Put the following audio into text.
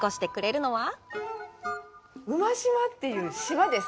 馬島っていう島です。